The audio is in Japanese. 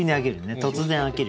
突然飽きるよね。